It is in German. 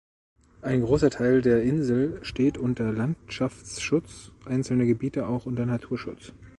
Ein großer Teil der Insel steht unter Landschaftsschutz, einzelne Gebiete auch unter Naturschutz.